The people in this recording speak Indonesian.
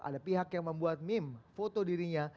ada pihak yang membuat meme foto dirinya